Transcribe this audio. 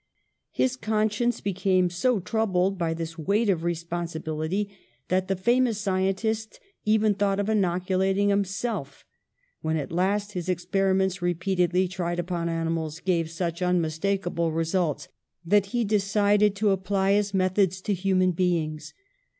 His conscience became so troubled by this weight of responsibility that the famous sci entist even thought of inoculating himself, when at last his experiments, repeatedly tried upon animals, gave such unmistakable results that he decided to apply his methods to human beings.